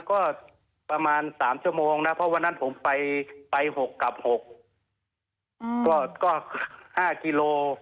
ก็ประมาณสามชั่วโมงนะเพราะวันนั้นผมไปไปหกกลับหกอืมก็ก็ห้ากิโล